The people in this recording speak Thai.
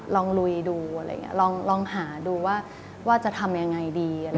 ลองลุยดูลองหาดูว่าจะทำอย่างไรดี